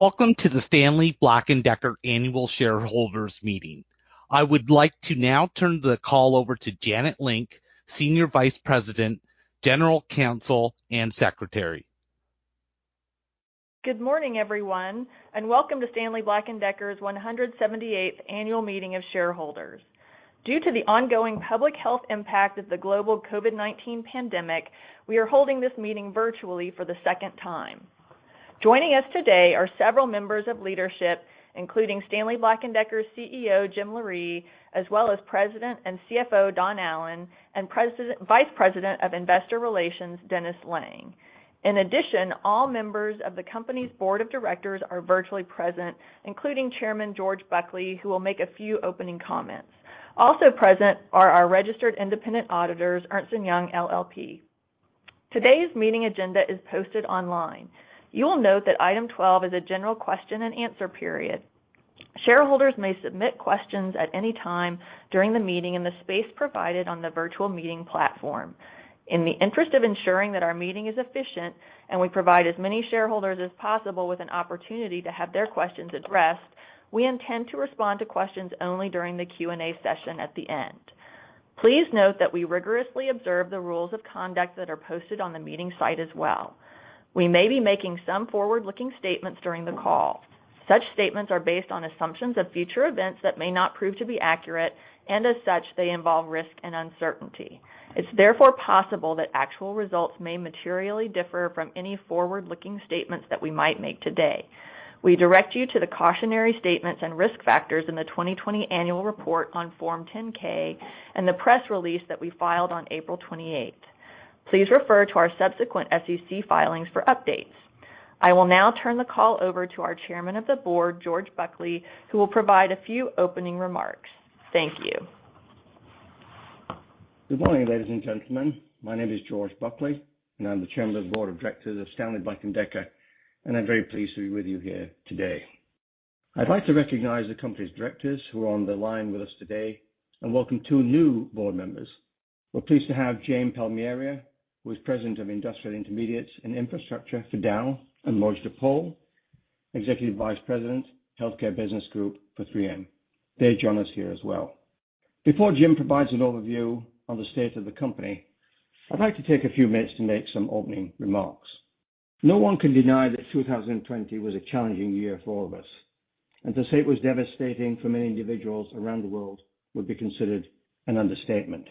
Welcome to the Stanley Black & Decker Annual Shareholders Meeting. I would like to now turn the call over to Janet Link, Senior Vice President, General Counsel, and Secretary. Good morning, everyone, and welcome to Stanley Black & Decker's 178th Annual Meeting of Shareholders. Due to the ongoing public health impact of the global COVID-19 pandemic, we are holding this meeting virtually for the second time. Joining us today are several members of leadership, including Stanley Black & Decker CEO, Jim Loree, as well as President and CFO, Don Allan, and Vice President of Investor Relations, Dennis Lange. In addition, all members of the company's board of directors are virtually present, including Chairman George Buckley, who will make a few opening comments. Also present are our registered independent auditors, Ernst & Young LLP. Today's meeting agenda is posted online. You will note that item 12 is a general question and answer period. Shareholders may submit questions at any time during the meeting in the space provided on the virtual meeting platform. In the interest of ensuring that our meeting is efficient, and we provide as many shareholders as possible with an opportunity to have their questions addressed, we intend to respond to questions only during the Q&A session at the end. Please note that we rigorously observe the rules of conduct that are posted on the meeting site as well. We may be making some forward-looking statements during the call. Such statements are based on assumptions of future events that may not prove to be accurate, and as such, they involve risk and uncertainty. It's therefore possible that actual results may materially differ from any forward-looking statements that we might make today. We direct you to the cautionary statements and risk factors in the 2020 annual report on Form 10-K and the press release that we filed on April 28th. Please refer to our subsequent SEC filings for updates. I will now turn the call over to our Chairman of the Board, George Buckley, who will provide a few opening remarks. Thank you. Good morning, ladies and gentlemen. My name is George Buckley, and I'm the Chairman of the Board of Directors of Stanley Black & Decker, and I'm very pleased to be with you here today. I'd like to recognize the company's directors who are on the line with us today and welcome two new board members. We're pleased to have Jane Palmieri, who is President of Industrial Intermediates and Infrastructure for Dow, and Mojdeh Poul, Executive Vice President, Healthcare Business Group for 3M. They join us here as well. Before Jim provides an overview on the state of the company, I'd like to take a few minutes to make some opening remarks. No one can deny that 2020 was a challenging year for all of us, and to say it was devastating for many individuals around the world would be considered an understatement.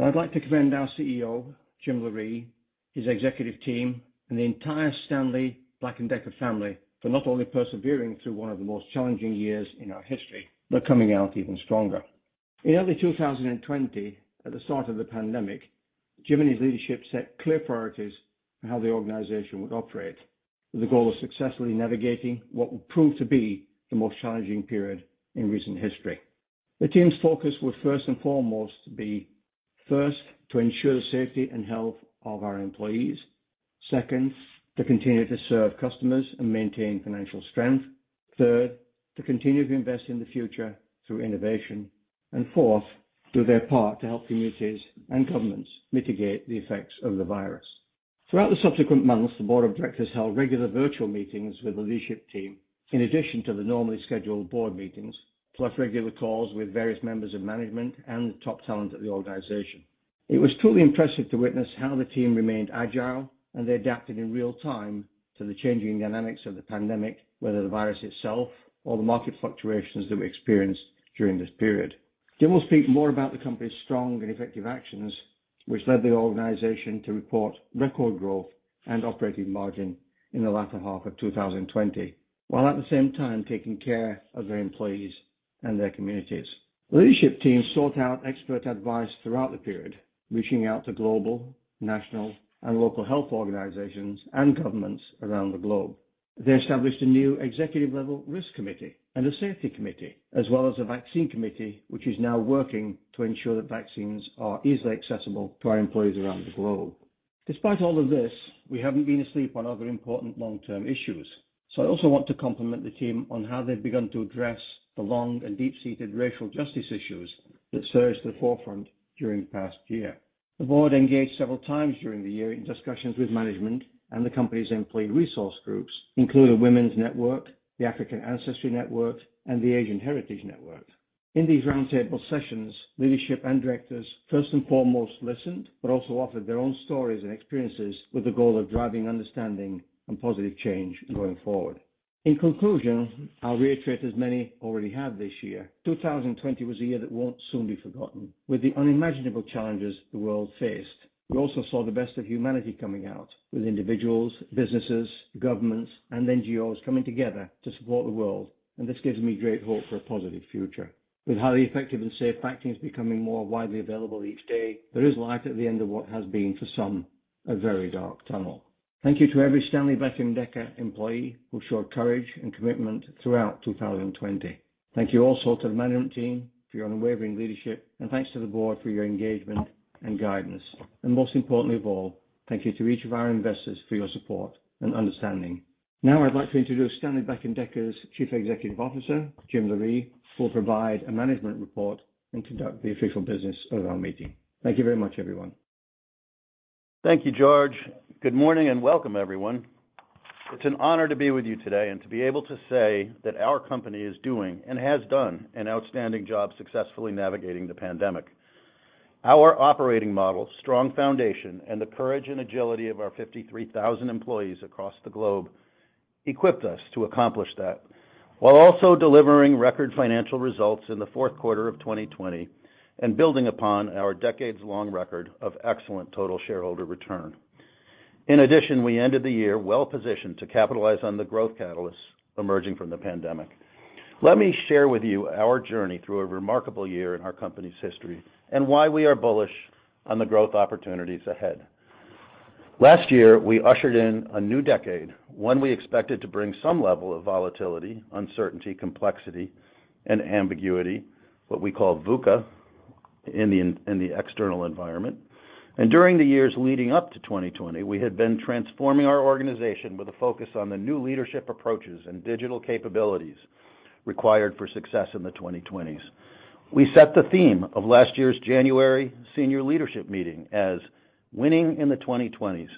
I'd like to commend our CEO, Jim Loree, his executive team, and the entire Stanley Black & Decker family for not only persevering through one of the most challenging years in our history, but coming out even stronger. In early 2020, at the start of the pandemic, Jim and his leadership set clear priorities for how the organization would operate, with the goal of successfully navigating what would prove to be the most challenging period in recent history. The team's focus would first and foremost be, first, to ensure the safety and health of our employees. Second, to continue to serve customers and maintain financial strength. Third, to continue to invest in the future through innovation. Fourth, do their part to help communities and governments mitigate the effects of the virus. Throughout the subsequent months, the board of directors held regular virtual meetings with the leadership team, in addition to the normally scheduled board meetings, plus regular calls with various members of management and the top talent at the organization. It was truly impressive to witness how the team remained agile and they adapted in real time to the changing dynamics of the pandemic, whether the virus itself or the market fluctuations that we experienced during this period. Jim will speak more about the company's strong and effective actions, which led the organization to report record growth and operating margin in the latter half of 2020, while at the same time taking care of their employees and their communities. Leadership teams sought out expert advice throughout the period, reaching out to global, national, and local health organizations and governments around the globe. They established a new executive-level risk committee and a safety committee, as well as a vaccine committee, which is now working to ensure that vaccines are easily accessible to our employees around the globe. Despite all of this, we haven't been asleep on other important long-term issues. I also want to compliment the team on how they've begun to address the long and deep-seated racial justice issues that surged to the forefront during the past year. The board engaged several times during the year in discussions with management and the company's employee resource groups, including the Women's Network, the African Ancestry Network, and the Asian Heritage Network. In these roundtable sessions, leadership and directors first and foremost listened, but also offered their own stories and experiences with the goal of driving understanding and positive change going forward. In conclusion, I'll reiterate, as many already have this year, 2020 was a year that won't soon be forgotten. With the unimaginable challenges the world faced, we also saw the best of humanity coming out with individuals, businesses, governments, and NGOs coming together to support the world, and this gives me great hope for a positive future. With highly effective and safe vaccines becoming more widely available each day, there is light at the end of what has been, for some, a very dark tunnel. Thank you to every Stanley Black & Decker employee who showed courage and commitment throughout 2020. Thank you also to the management team for your unwavering leadership, and thanks to the board for your engagement and guidance. Most importantly of all, thank you to each of our investors for your support and understanding. I'd like to introduce Stanley Black & Decker's Chief Executive Officer, Jim Loree, who will provide a management report and conduct the official business of our meeting. Thank you very much, everyone. Thank you, George. Good morning, and welcome everyone. It's an honor to be with you today and to be able to say that our company is doing, and has done, an outstanding job successfully navigating the pandemic. Our operating model, strong foundation, and the courage and agility of our 53,000 employees across the globe equipped us to accomplish that, while also delivering record financial results in the Q4 of 2020, and building upon our decades-long record of excellent total shareholder return. In addition, we ended the year well-positioned to capitalize on the growth catalysts emerging from the pandemic. Let me share with you our journey through a remarkable year in our company's history, and why we are bullish on the growth opportunities ahead. Last year, we ushered in a new decade, one we expected to bring some level of volatility, uncertainty, complexity, and ambiguity, what we call VUCA, in the external environment. During the years leading up to 2020, we had been transforming our organization with a focus on the new leadership approaches and digital capabilities required for success in the 2020s. We set the theme of last year's January senior leadership meeting as Winning in the 2020s,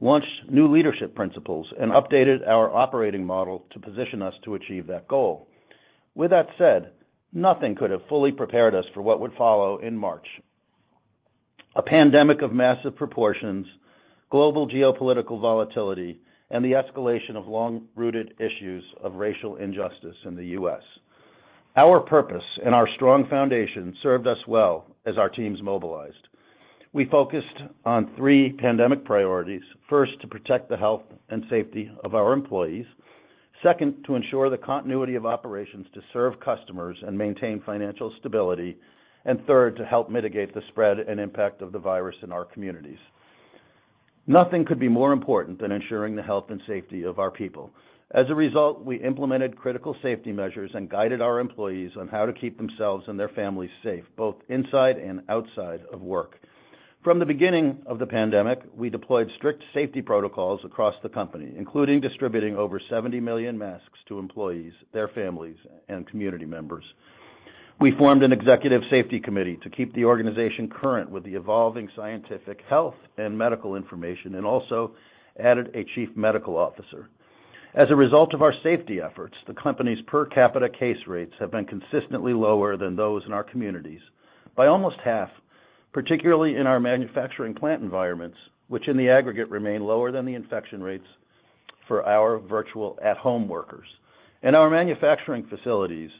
launched new leadership principles, and updated our operating model to position us to achieve that goal. With that said, nothing could have fully prepared us for what would follow in March. A pandemic of massive proportions, global geopolitical volatility, and the escalation of long-rooted issues of racial injustice in the U.S. Our purpose and our strong foundation served us well as our teams mobilized. We focused on three pandemic priorities. First, to protect the health and safety of our employees. Second, to ensure the continuity of operations to serve customers and maintain financial stability. Third, to help mitigate the spread and impact of the virus in our communities. Nothing could be more important than ensuring the health and safety of our people. As a result, we implemented critical safety measures and guided our employees on how to keep themselves and their families safe, both inside and outside of work. From the beginning of the pandemic, we deployed strict safety protocols across the company, including distributing over 70 million masks to employees, their families, and community members. We formed an executive safety committee to keep the organization current with the evolving scientific health and medical information, and also added a chief medical officer. As a result of our safety efforts, the company's per capita case rates have been consistently lower than those in our communities by almost half, particularly in our manufacturing plant environments, which in the aggregate remain lower than the infection rates for our virtual at-home workers. Our manufacturing facilities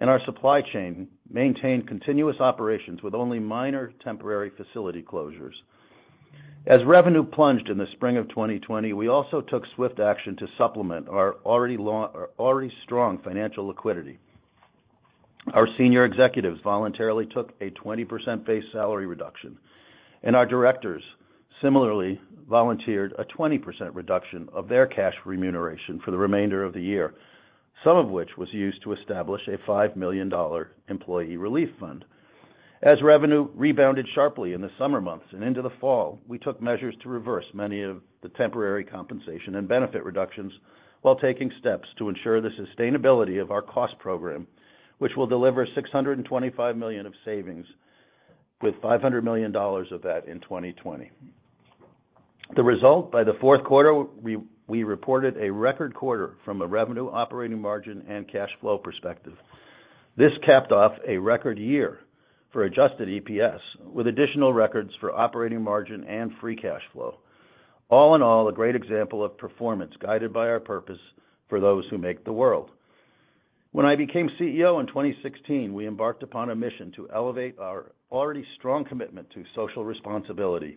and our supply chain maintained continuous operations with only minor temporary facility closures. As revenue plunged in the spring of 2020, we also took swift action to supplement our already strong financial liquidity. Our senior executives voluntarily took a 20% base salary reduction, and our directors similarly volunteered a 20% reduction of their cash remuneration for the remainder of the year, some of which was used to establish a $5 million employee relief fund. As revenue rebounded sharply in the summer months and into the fall, we took measures to reverse many of the temporary compensation and benefit reductions while taking steps to ensure the sustainability of our cost program, which will deliver $625 million of savings with $500 million of that in 2020. The result, by the fourth quarter, we reported a record quarter from a revenue operating margin and cash flow perspective. This capped off a record year for adjusted EPS, with additional records for operating margin and free cash flow. All in all, a great example of performance guided by our purpose for those who make the world. When I became CEO in 2016, we embarked upon a mission to elevate our already strong commitment to social responsibility,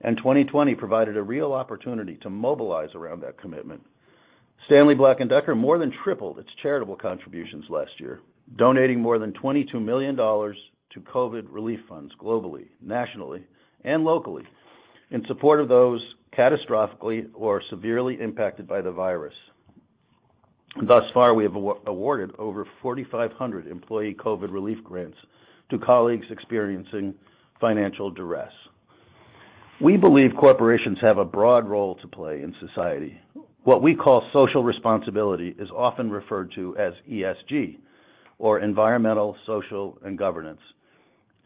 and 2020 provided a real opportunity to mobilize around that commitment. Stanley Black & Decker more than tripled its charitable contributions last year, donating more than $22 million to COVID relief funds globally, nationally, and locally in support of those catastrophically or severely impacted by the virus. Thus far, we have awarded over 4,500 employee COVID relief grants to colleagues experiencing financial duress. We believe corporations have a broad role to play in society. What we call social responsibility is often referred to as ESG, or environmental, social, and governance.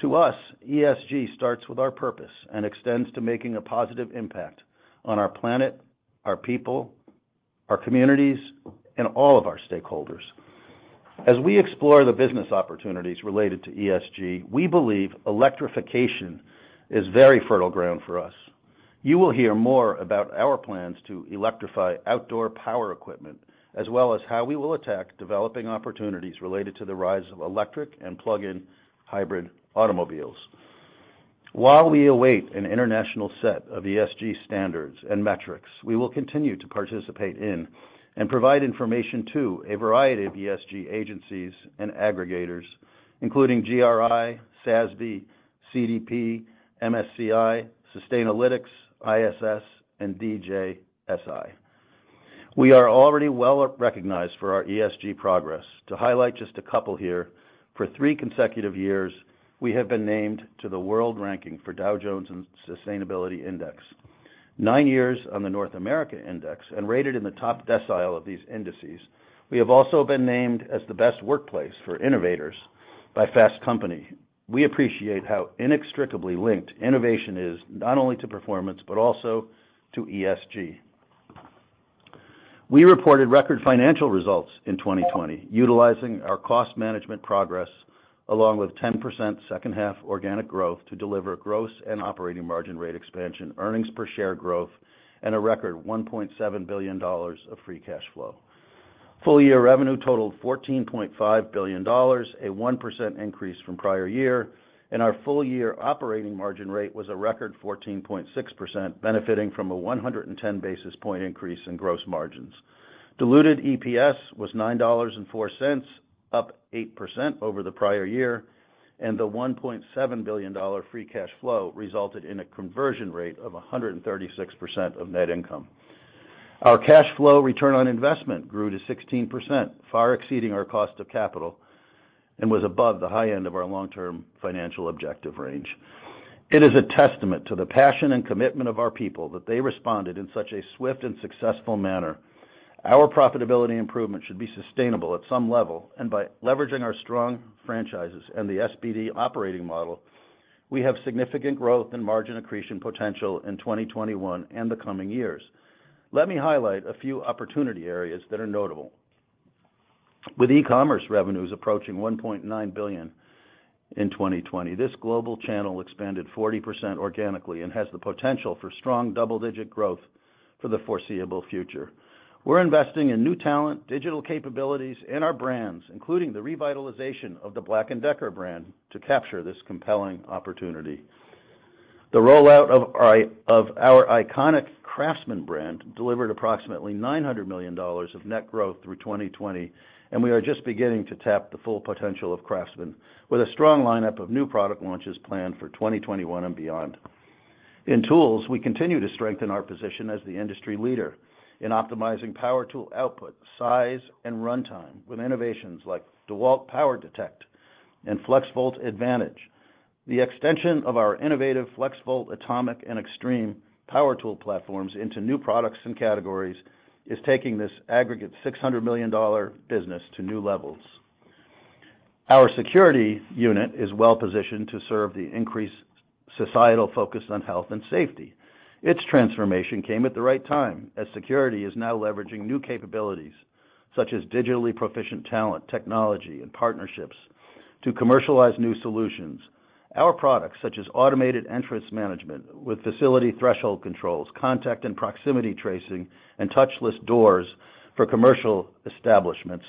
To us, ESG starts with our purpose and extends to making a positive impact on our planet, our people, our communities, and all of our stakeholders. As we explore the business opportunities related to ESG, we believe electrification is very fertile ground for us. You will hear more about our plans to electrify outdoor power equipment, as well as how we will attack developing opportunities related to the rise of electric and plug-in hybrid automobiles. While we await an international set of ESG standards and metrics, we will continue to participate in and provide information to a variety of ESG agencies and aggregators, including GRI, SASB, CDP, MSCI, Sustainalytics, ISS, and DJSI. We are already well recognized for our ESG progress. To highlight just a couple here, for three consecutive years, we have been named to the world ranking for Dow Jones Sustainability Index. Nine years on the North America index and rated in the top decile of these indices. We have also been named as the best workplace for innovators by Fast Company. We appreciate how inextricably linked innovation is, not only to performance, but also to ESG. We reported record financial results in 2020, utilizing our cost management progress along with 10% second half organic growth to deliver gross and operating margin rate expansion, EPS growth, and a record $1.7 billion of free cash flow. Full year revenue totaled $14.5 billion, a 1% increase from prior year, and our full year operating margin rate was a record 14.6%, benefiting from a 110 basis point increase in gross margins. Diluted EPS was $9.04, up 8% over the prior year, and the $1.7 billion free cash flow resulted in a conversion rate of 136% of net income. Our cash flow return on investment grew to 16%, far exceeding our cost of capital, and was above the high end of our long-term financial objective range. It is a testament to the passion and commitment of our people that they responded in such a swift and successful manner. Our profitability improvement should be sustainable at some level, and by leveraging our strong franchises and the SBD operating model, we have significant growth and margin accretion potential in 2021 and the coming years. Let me highlight a few opportunity areas that are notable. With e-commerce revenues approaching $1.9 billion in 2020, this global channel expanded 40% organically and has the potential for strong double-digit growth for the foreseeable future. We're investing in new talent, digital capabilities in our brands, including the revitalization of the BLACK+DECKER brand, to capture this compelling opportunity. The rollout of our iconic CRAFTSMAN brand delivered approximately $900 million of net growth through 2020, and we are just beginning to tap the full potential of CRAFTSMAN with a strong lineup of new product launches planned for 2021 and beyond. In tools, we continue to strengthen our position as the industry leader in optimizing power tool output, size, and runtime with innovations like DEWALT POWERDETECT and FLEXVOLT ADVANTAGE. The extension of our innovative FLEXVOLT, ATOMIC, and XTREME power tool platforms into new products and categories is taking this aggregate $600 million business to new levels. Our security unit is well positioned to serve the increased societal focus on health and safety. Its transformation came at the right time, as security is now leveraging new capabilities such as digitally proficient talent, technology, and partnerships to commercialize new solutions. Our products, such as automated entrance management with facility threshold controls, contact and proximity tracing, and touchless doors for commercial establishments,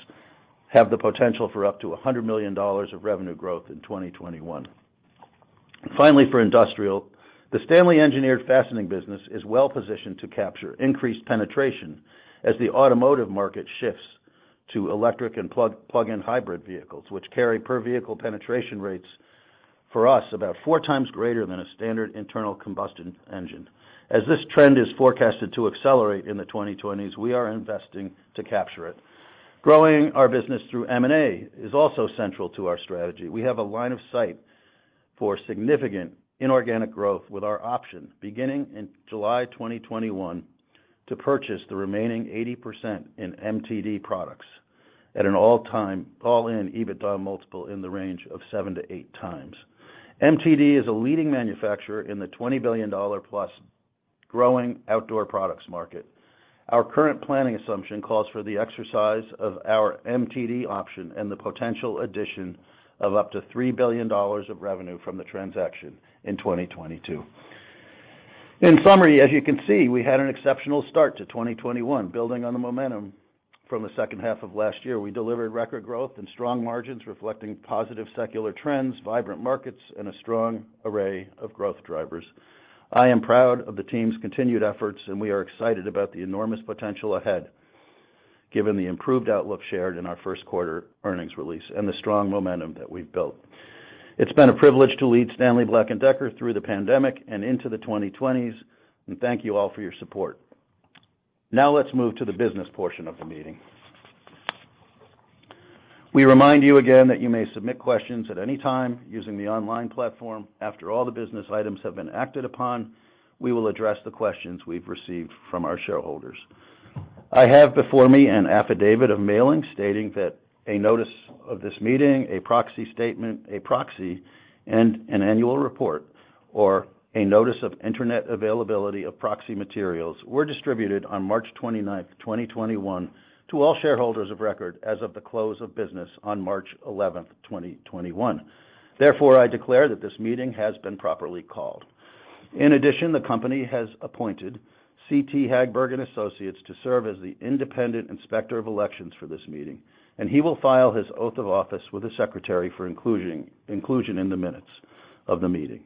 have the potential for up to $100 million of revenue growth in 2021. Finally, for industrial, the STANLEY Engineered Fastening business is well positioned to capture increased penetration as the automotive market shifts to electric and plug-in hybrid vehicles, which carry per-vehicle penetration rates for us about four times greater than a standard internal combustion engine. As this trend is forecasted to accelerate in the 2020s, we are investing to capture it. Growing our business through M&A is also central to our strategy. We have a line of sight for significant inorganic growth with our option, beginning in July 2021, to purchase the remaining 80% in MTD products at an all-in EBITDA multiple in the range of seven to eight times. MTD is a leading manufacturer in the $20 billion-plus growing outdoor products market. Our current planning assumption calls for the exercise of our MTD option and the potential addition of up to $3 billion of revenue from the transaction in 2022. In summary, as you can see, we had an exceptional start to 2021, building on the momentum from the second half of last year. We delivered record growth and strong margins reflecting positive secular trends, vibrant markets, and a strong array of growth drivers. I am proud of the team's continued efforts. We are excited about the enormous potential ahead given the improved outlook shared in our first quarter earnings release and the strong momentum that we've built. It's been a privilege to lead Stanley Black & Decker through the pandemic and into the 2020s. Thank you all for your support. Now let's move to the business portion of the meeting. We remind you again that you may submit questions at any time using the online platform. After all the business items have been acted upon, we will address the questions we've received from our shareholders. I have before me an affidavit of mailing stating that a notice of this meeting, a proxy statement, a proxy, and an annual report, or a notice of internet availability of proxy materials were distributed on March 29th, 2021, to all shareholders of record as of the close of business on March 11th, 2021. Therefore, I declare that this meeting has been properly called. In addition, the company has appointed Carl T. Hagberg & Associates to serve as the independent inspector of elections for this meeting, and he will file his oath of office with the secretary for inclusion in the minutes of the meeting.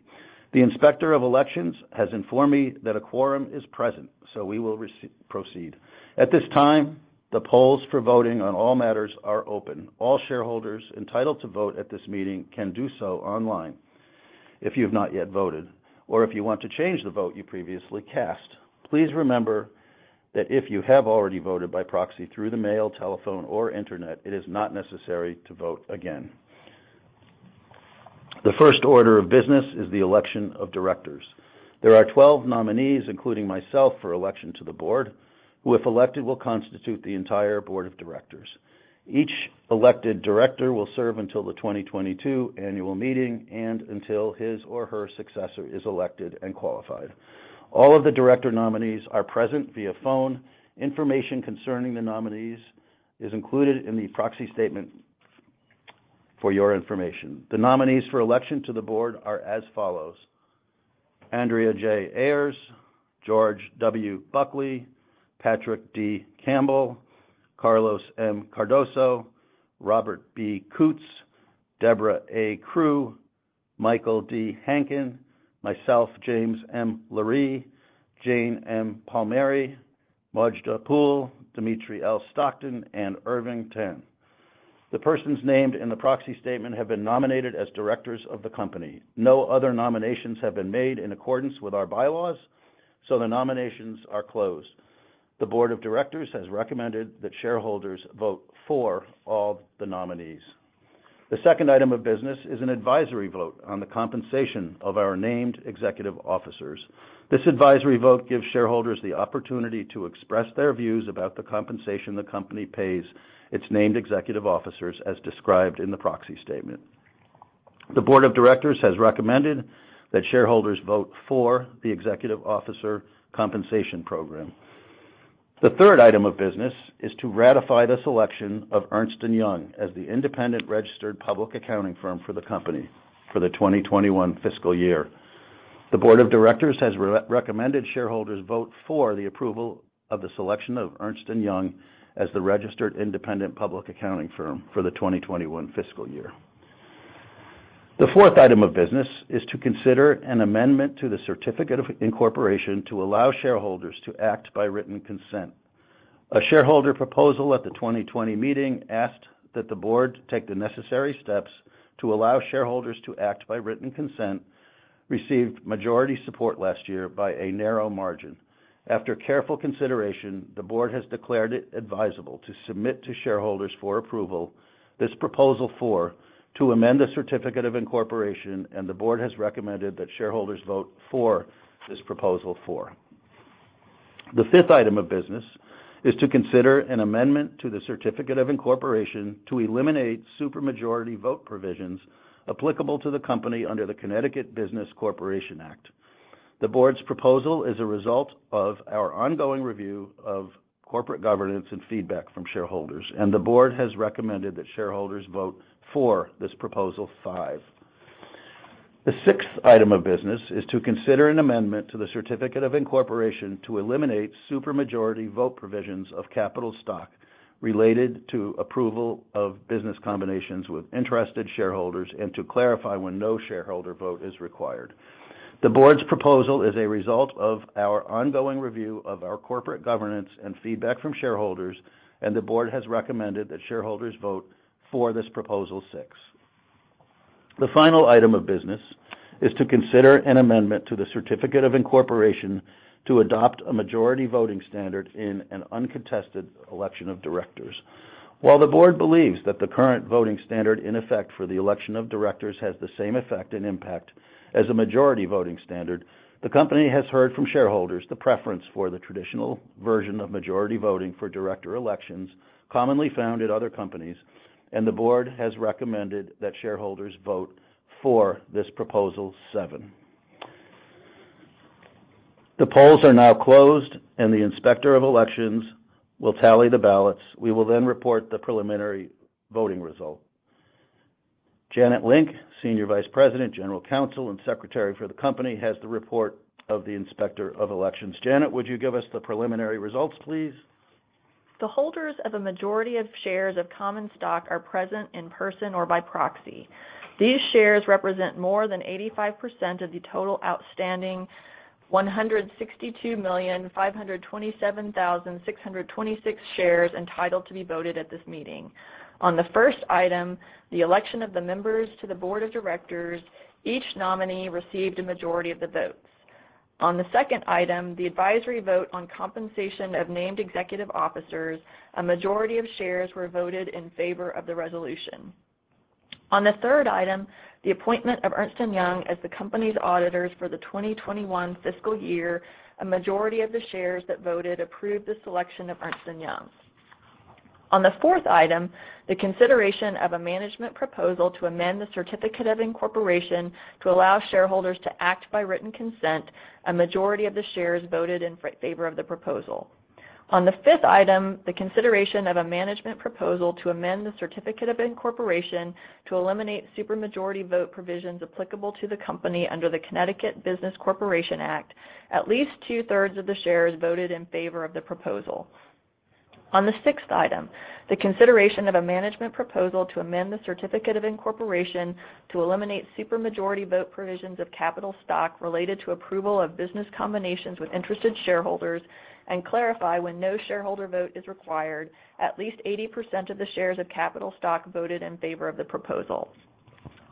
The Inspector of Elections has informed me that a quorum is present. We will proceed. At this time, the polls for voting on all matters are open. All shareholders entitled to vote at this meeting can do so online. If you have not yet voted or if you want to change the vote you previously cast, please remember that if you have already voted by proxy through the mail, telephone, or internet, it is not necessary to vote again. The first order of business is the election of directors. There are 12 nominees, including myself, for election to the board, who, if elected, will constitute the entire board of directors. Each elected director will serve until the 2022 annual meeting and until his or her successor is elected and qualified. All of the director nominees are present via phone. Information concerning the nominees is included in the proxy statement for your information. The nominees for election to the board are as follows: Andrea J. Ayers, George W. Buckley, Patrick D. Campbell, Carlos M. Cardoso, Robert B. Coutts, Debra A. Crew, Michael D. Hankin, myself, James M. Loree, Jane M. Palmieri, Mojdeh Poul, Dmitri L. Stockton, and Irving Tan. The persons named in the proxy statement have been nominated as directors of the company. No other nominations have been made in accordance with our bylaws, so the nominations are closed. The board of directors has recommended that shareholders vote for all the nominees. The second item of business is an advisory vote on the compensation of our named executive officers. This advisory vote gives shareholders the opportunity to express their views about the compensation the company pays its named executive officers, as described in the proxy statement. The board of directors has recommended that shareholders vote for the executive officer compensation program. The third item of business is to ratify the selection of Ernst & Young as the independent registered public accounting firm for the company for the 2021 fiscal year. The board of directors has recommended shareholders vote for the approval of the selection of Ernst & Young as the registered independent public accounting firm for the 2021 fiscal year. The fourth item of business is to consider an amendment to the certificate of incorporation to allow shareholders to act by written consent. A shareholder proposal at the 2020 meeting asked that the board take the necessary steps to allow shareholders to act by written consent, received majority support last year by a narrow margin. After careful consideration, the board has declared it advisable to submit to shareholders for approval this Proposal 4 to amend the certificate of incorporation. The board has recommended that shareholders vote for this Proposal 4. The fifth item of business is to consider an amendment to the certificate of incorporation to eliminate supermajority vote provisions applicable to the company under the Connecticut Business Corporation Act. The board's proposal is a result of our ongoing review of corporate governance and feedback from shareholders, and the board has recommended that shareholders vote for this Proposal five. The sixth item of business is to consider an amendment to the certificate of incorporation to eliminate supermajority vote provisions of capital stock related to approval of business combinations with interested shareholders and to clarify when no shareholder vote is required. The board's proposal is a result of our ongoing review of our corporate governance and feedback from shareholders, and the board has recommended that shareholders vote for this Proposal six. The final item of business is to consider an amendment to the certificate of incorporation to adopt a majority voting standard in an uncontested election of directors. While the board believes that the current voting standard in effect for the election of directors has the same effect and impact as a majority voting standard, the company has heard from shareholders the preference for the traditional version of majority voting for director elections commonly found at other companies, and the board has recommended that shareholders vote for this Proposal seven. The polls are now closed, and the Inspector of Elections will tally the ballots. We will then report the preliminary voting results. Janet Link, Senior Vice President, General Counsel, and Secretary for the company, has the report of the Inspector of Elections. Janet, would you give us the preliminary results, please? The holders of a majority of shares of common stock are present in person or by proxy. These shares represent more than 85% of the total outstanding 162,527,626 shares entitled to be voted at this meeting. On the first item, the election of the members to the board of directors, each nominee received a majority of the votes. On the second item, the advisory vote on compensation of named executive officers, a majority of shares were voted in favor of the resolution. On the third item, the appointment of Ernst & Young as the company's auditors for the 2021 fiscal year, a majority of the shares that voted approved the selection of Ernst & Young. On the fourth item, the consideration of a management proposal to amend the certificate of incorporation to allow shareholders to act by written consent, a majority of the shares voted in favor of the proposal. On the fifth item, the consideration of a management proposal to amend the certificate of incorporation to eliminate supermajority vote provisions applicable to the company under the Connecticut Business Corporation Act, at least 2/3 of the shares voted in favor of the proposal. On the sixth item, the consideration of a management proposal to amend the certificate of incorporation to eliminate supermajority vote provisions of capital stock related to approval of business combinations with interested shareholders and clarify when no shareholder vote is required, at least 80% of the shares of capital stock voted in favor of the proposal.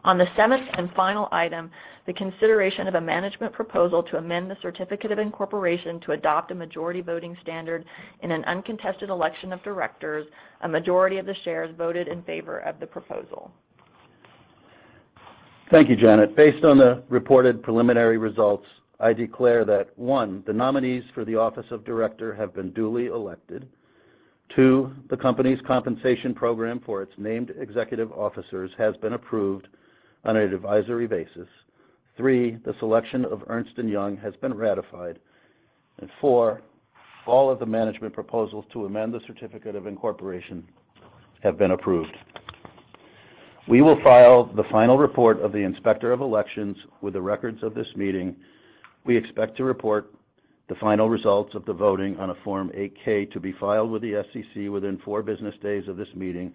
On the seventh and final item, the consideration of a management proposal to amend the certificate of incorporation to adopt a majority voting standard in an uncontested election of directors, a majority of the shares voted in favor of the proposal. Thank you, Janet. Based on the reported preliminary results, I declare that, one, the nominees for the office of director have been duly elected. Two, the company's compensation program for its named executive officers has been approved on an advisory basis. Three, the selection of Ernst & Young has been ratified. Four, all of the management proposals to amend the certificate of incorporation have been approved. We will file the final report of the inspector of elections with the records of this meeting. We expect to report the final results of the voting on a Form 8-K to be filed with the SEC within four business days of this meeting,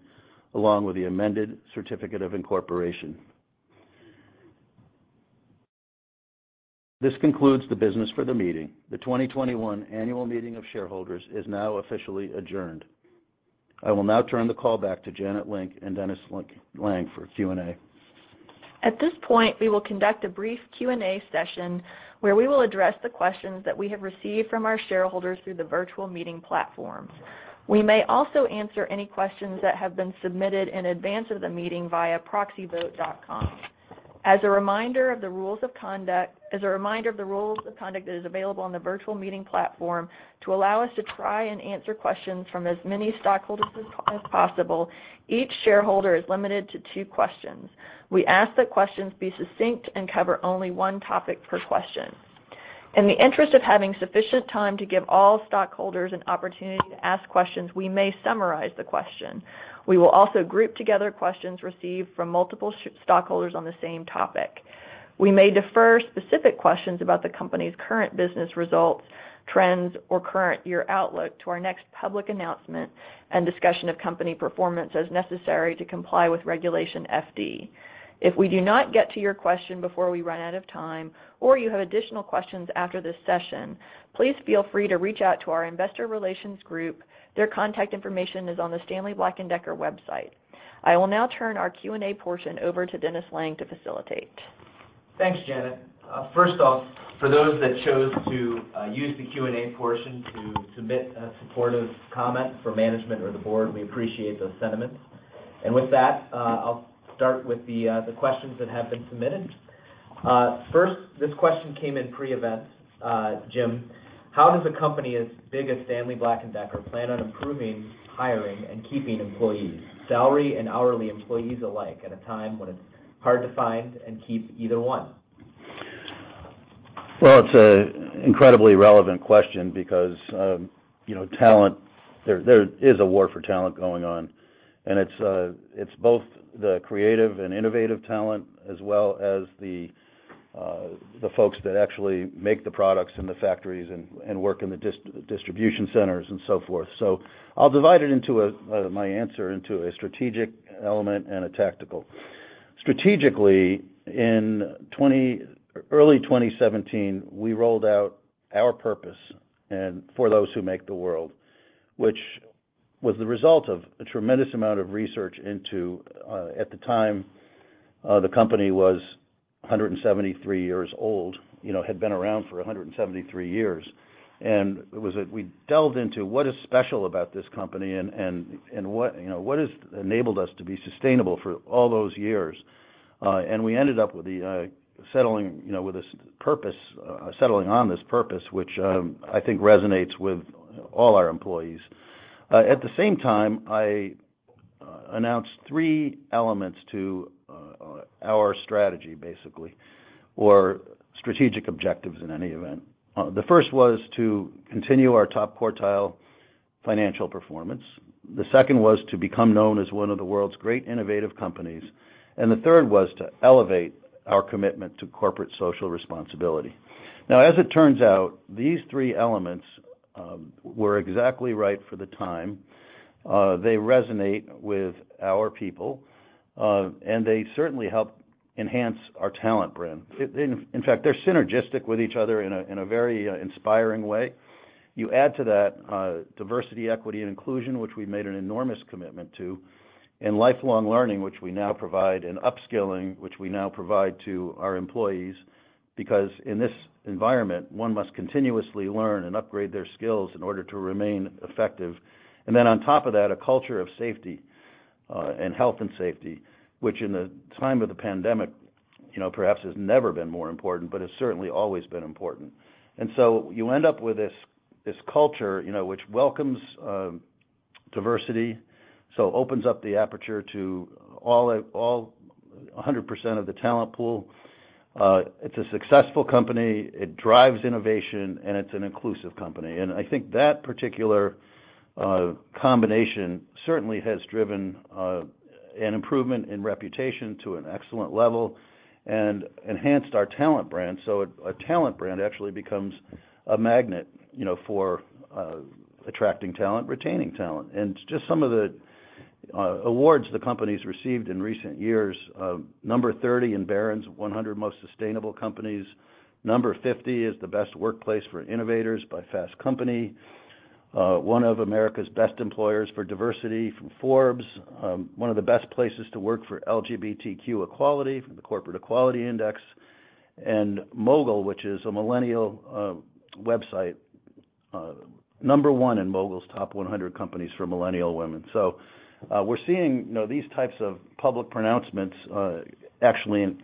along with the amended certificate of incorporation. This concludes the business for the meeting. The 2021 annual meeting of shareholders is now officially adjourned. I will now turn the call back to Janet Link and Dennis Lange for Q&A. At this point, we will conduct a brief Q&A session where we will address the questions that we have received from our shareholders through the virtual meeting platform. We may also answer any questions that have been submitted in advance of the meeting via proxyvote.com. As a reminder of the rules of conduct that is available on the virtual meeting platform, to allow us to try and answer questions from as many stockholders as possible, each shareholder is limited to two questions. We ask that questions be succinct and cover only one topic per question. In the interest of having sufficient time to give all stockholders an opportunity to ask questions, we may summarize the question. We will also group together questions received from multiple stockholders on the same topic. We may defer specific questions about the company's current business results, trends, or current year outlook to our next public announcement and discussion of company performance as necessary to comply with Regulation FD. If we do not get to your question before we run out of time, or you have additional questions after this session, please feel free to reach out to our investor relations group. Their contact information is on the Stanley Black & Decker website. I will now turn our Q&A portion over to Dennis Lange to facilitate. Thanks, Janet. First off, for those that chose to use the Q&A portion to submit a supportive comment for management or the board, we appreciate those sentiments. With that, I'll start with the questions that have been submitted. First, this question came in pre-event. Jim, how does a company as big as Stanley Black & Decker plan on improving hiring and keeping employees, salary and hourly employees alike, at a time when it's hard to find and keep either one? It's an incredibly relevant question because there is a war for talent going on, and it's both the creative and innovative talent as well as the folks that actually make the products in the factories and work in the distribution centers and so forth. I'll divide my answer into a strategic element and a tactical. Strategically, in early 2017, we rolled out our purpose, For Those Who Make the World, which was the result of a tremendous amount of research into, at the time, the company was 173 years old, had been around for 173 years. We delved into what is special about this company and what has enabled us to be sustainable for all those years. We ended up settling on this purpose, which I think resonates with all our employees. At the same time, I announced three elements to our strategy, basically, or strategic objectives in any event. The first was to continue our top quartile financial performance. The second was to become known as one of the world's great innovative companies, and the third was to elevate our commitment to corporate social responsibility. Now, as it turns out, these three elements were exactly right for the time. They resonate with our people, and they certainly help enhance our talent brand. In fact, they're synergistic with each other in a very inspiring way. You add to that diversity, equity, and inclusion, which we've made an enormous commitment to, and lifelong learning, which we now provide, and upskilling, which we now provide to our employees, because in this environment, one must continuously learn and upgrade their skills in order to remain effective. On top of that, a culture of safety and health and safety, which in the time of the pandemic, perhaps has never been more important, but has certainly always been important. You end up with this culture which welcomes diversity, so opens up the aperture to 100% of the talent pool. It's a successful company, it drives innovation, and it's an inclusive company. I think that particular combination certainly has driven an improvement in reputation to an excellent level and enhanced our talent brand. A talent brand actually becomes a magnet for attracting talent, retaining talent. Just some of the awards the company's received in recent years, number 30 in Barron's 100 Most Sustainable Companies, number 50 as the Best Workplace for Innovators by Fast Company, one of America's Best Employers for Diversity from Forbes, one of the Best Places to Work for LGBTQ Equality from the Corporate Equality Index. Mogul, which is a millennial website, number 1 in Mogul's top 100 companies for millennial women. We're seeing these types of public pronouncements actually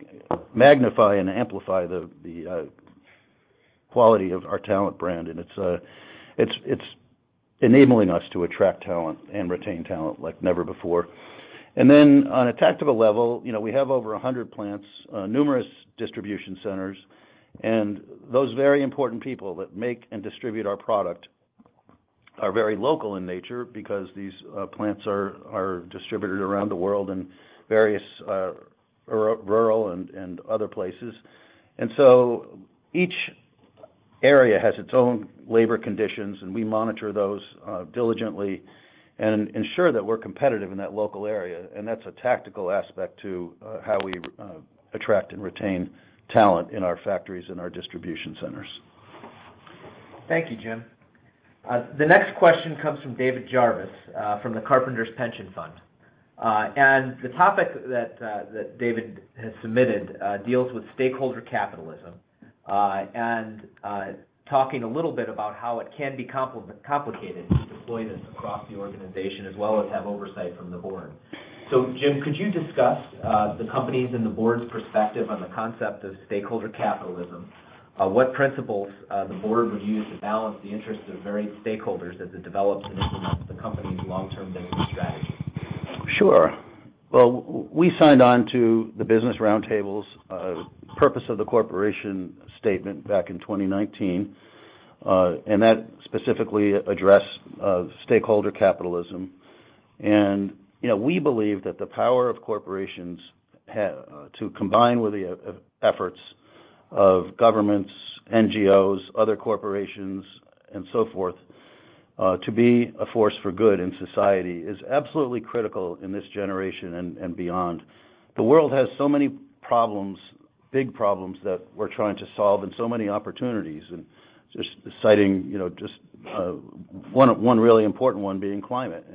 magnify and amplify the quality of our talent brand. It's enabling us to attract talent and retain talent like never before. On a tactical level, we have over 100 plants, numerous distribution centers, and those very important people that make and distribute our product are very local in nature because these plants are distributed around the world in various rural and other places. Each area has its own labor conditions, and we monitor those diligently and ensure that we're competitive in that local area. That's a tactical aspect to how we attract and retain talent in our factories and our distribution centers. Thank you, Jim. The next question comes from David Jarvis from the Carpenters Pension Fund. The topic that David has submitted deals with stakeholder capitalism, and talking a little bit about how it can be complicated to deploy this across the organization as well as have oversight from the board. Jim, could you discuss the company's and the board's perspective on the concept of stakeholder capitalism? What principles the board would use to balance the interests of varied stakeholders as it develops and implements the company's long-term business strategy? Sure. Well, we signed on to the Business Roundtable's purpose of the corporation statement back in 2019. That specifically addressed stakeholder capitalism. We believe that the power of corporations to combine with the efforts of governments, NGOs, other corporations, and so forth to be a force for good in society is absolutely critical in this generation and beyond. The world has so many big problems that we're trying to solve and so many opportunities, and just citing just one really important one being climate.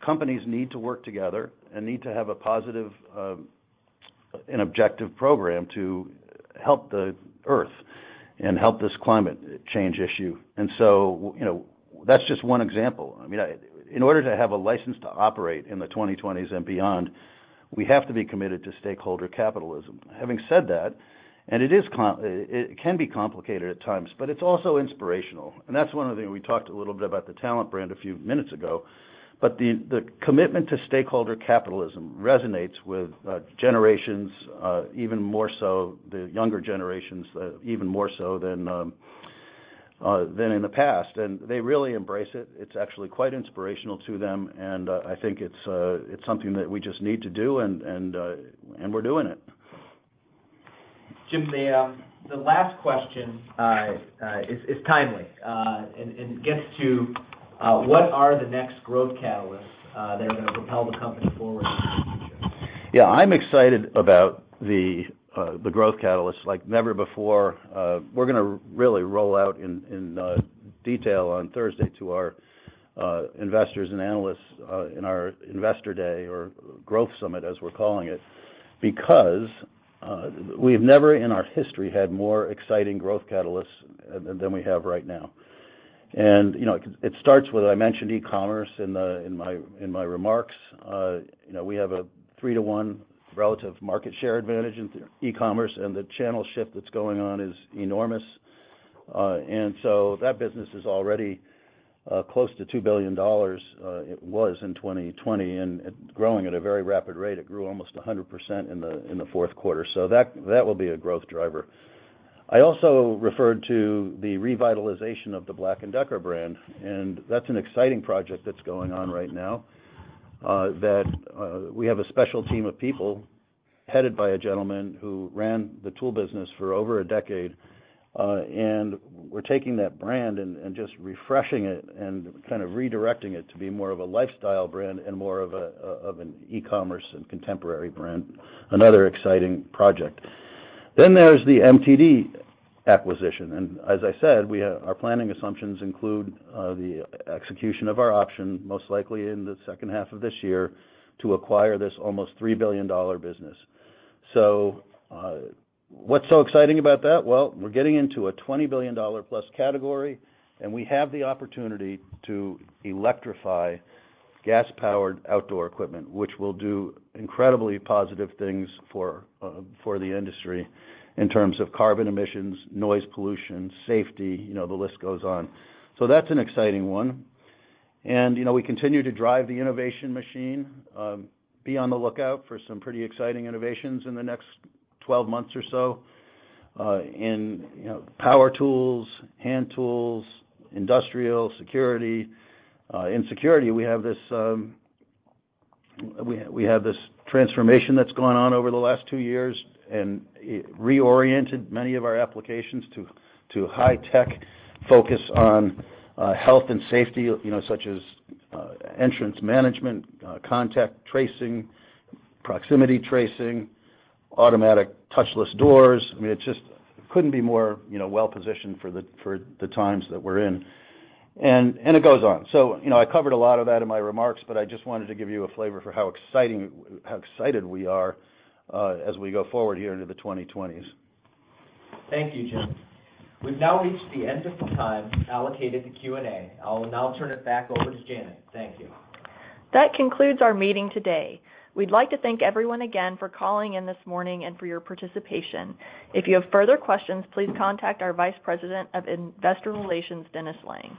Companies need to work together and need to have a positive and objective program to help the Earth and help this climate change issue. That's just one example. In order to have a license to operate in the 2020s and beyond, we have to be committed to stakeholder capitalism. Having said that, it can be complicated at times, but it's also inspirational. That's one of the things we talked a little bit about the talent brand a few minutes ago, but the commitment to stakeholder capitalism resonates with generations, even more so the younger generations, even more so than in the past. They really embrace it. It's actually quite inspirational to them, and I think it's something that we just need to do, and we're doing it. Jim, the last question is timely, and gets to what are the next growth catalysts that are going to propel the company forward in the future? Yeah, I'm excited about the growth catalysts like never before. We're going to really roll out in detail on Thursday to our investors and analysts in our investor day or growth summit, as we're calling it, because we've never in our history had more exciting growth catalysts than we have right now. It starts with, I mentioned e-commerce in my remarks. We have a three-to-one relative market share advantage in e-commerce, and the channel shift that's going on is enormous. That business is already close to $2 billion. It was in 2020, and growing at a very rapid rate. It grew almost 100% in the Q4. That will be a growth driver. I also referred to the revitalization of the BLACK+DECKER brand, that's an exciting project that's going on right now, that we have a special team of people headed by a gentleman who ran the tool business for over a decade. We're taking that brand and just refreshing it and kind of redirecting it to be more of a lifestyle brand and more of an e-commerce and contemporary brand. Another exciting project. There's the MTD acquisition, and as I said, our planning assumptions include the execution of our option, most likely in the second half of this year, to acquire this almost $3 billion business. What's so exciting about that? Well, we're getting into a $20 billion category, and we have the opportunity to electrify gas-powered outdoor equipment, which will do incredibly positive things for the industry in terms of carbon emissions, noise pollution, safety, the list goes on. That's an exciting one. We continue to drive the innovation machine. Be on the lookout for some pretty exciting innovations in the next 12 months or so in power tools, hand tools, industrial, security. In security, we have this transformation that's gone on over the last two years, and it reoriented many of our applications to high-tech focus on health and safety such as entrance management, contact tracing, proximity tracing, automatic touchless doors. It just couldn't be more well-positioned for the times that we're in, and it goes on. I covered a lot of that in my remarks, but I just wanted to give you a flavor for how excited we are as we go forward here into the 2020s. Thank you, Jim. We've now reached the end of the time allocated to Q&A. I will now turn it back over to Janet. Thank you. That concludes our meeting today. We'd like to thank everyone again for calling in this morning and for your participation. If you have further questions, please contact our Vice President of Investor Relations, Dennis Lange.